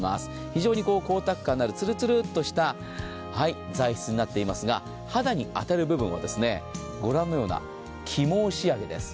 非常に光沢感のあるツルツルとした材質になっていますが、肌に当たる部分はご覧のような起毛仕上げです。